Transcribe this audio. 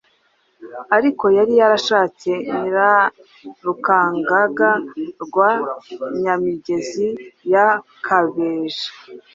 ariko yari yarashatse Nyirarukangaga rwa Nyamigezi ya Kabeja,